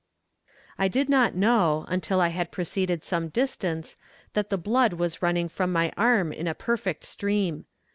I did not know, until I had proceeded some distance, that the blood was running from my arm in a perfect stream.